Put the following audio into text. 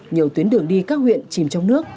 nhiều tuyến đường đi các huyện chìm trong nước